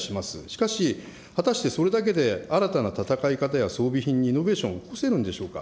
しかし、果たしてそれだけで新たな戦い方や装備品にイノベーションを起こせるんでしょうか。